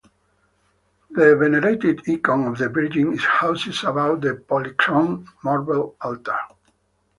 The venerated icon of the Virgin is housed above the polychrome marble altar.